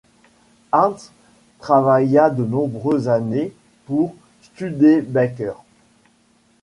Hartz travailla de nombreuses années pour Studebaker.